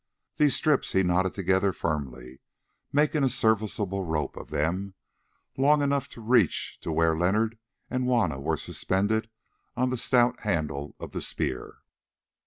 These strips he knotted together firmly, making a serviceable rope of them, long enough to reach to where Leonard and Juanna were suspended on the stout handle of the spear.